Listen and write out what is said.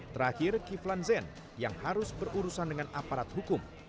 terakhir kiflan zen yang harus berurusan dengan aparat hukum